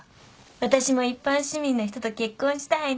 私も一般市民の人と結婚したいの。